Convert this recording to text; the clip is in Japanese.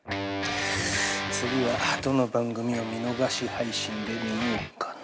次はどの番組を見逃し配信で見ようかな。